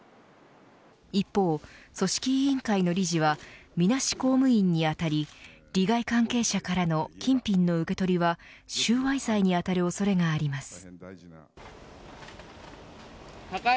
一方、組織委員会の理事はみなし公務員にあたり利害関係者からの金品の受け取りは収賄罪に当たる恐れがあります。